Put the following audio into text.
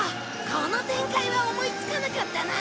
この展開は思いつかなかったな。